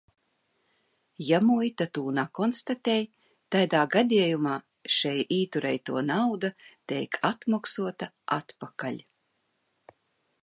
Ja muita to nekonstatē, tādā gadījumā šī ieturētā nauda tiek atmaksāta atpakaļ.